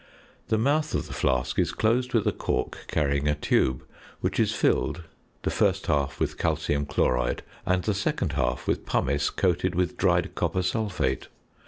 The mouth of the flask is closed with a cork carrying a tube which is filled, the first half with calcium chloride and the second half with pumice coated with dried copper sulphate.